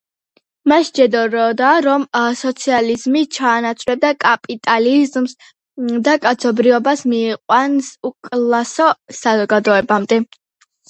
მას სჯეროდა რომ სოციალიზმი ჩაანაცვლებდა კაპიტალიზმს და კაცობრიობას მიიყვანს უკლასო საზოგადოებამდე.